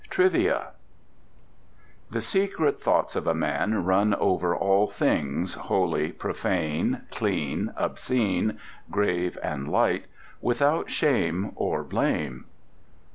TRIVIA The secret thoughts of a man run over all things, holy, profane, clean, obscene, grave, and light, without shame or blame.